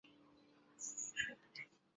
宁海桥的历史年代为元。